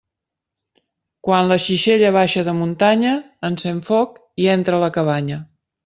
Quan la xixella baixa de muntanya, encén foc i entra a la cabanya.